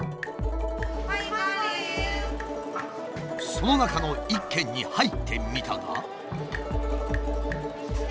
その中の一軒に入ってみたが。